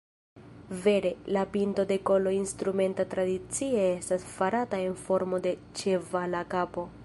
Vere, la pinto de kolo instrumenta tradicie estas farata en formo de ĉevala kapo.